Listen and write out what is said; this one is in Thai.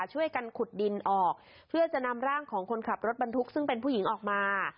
ช่วยกันขุดดินออกเพื่อจะนำร่างของคนขับรถบรรทุกซึ่งเป็นผู้หญิงออกมา